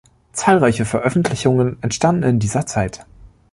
Zahlreiche Veröffentlichungen entstanden in dieser Zeit.